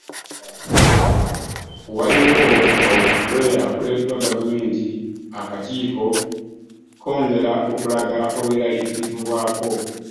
Waliwo kaweefube akoleddwa Gavumenti, Akakiiko kongera okulaga obweraliikirivi bwako.